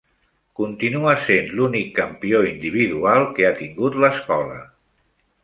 Continua sent l'únic campió individual que ha tingut l'escola.